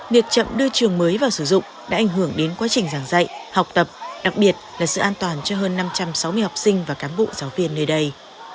việc chậm đưa trường mới vào sử dụng đã ảnh hưởng đến quá trình giảng dạy học tập đặc biệt là sự an toàn cho hơn năm trăm sáu mươi học sinh và cán bộ giáo viên nơi đây